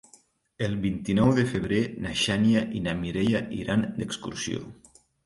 El vint-i-nou de febrer na Xènia i na Mireia iran d'excursió.